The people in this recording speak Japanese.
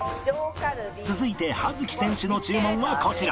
続いて葉月選手の注文はこちら。